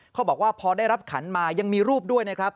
เขาบอกว่าพอได้รับขันมายังมีรูปด้วยนะครับ